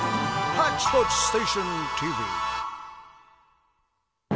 「ハッチポッチステーションＴＶ」。